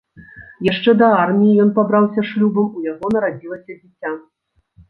Яшчэ да арміі ён пабраўся шлюбам, у яго нарадзілася дзіця.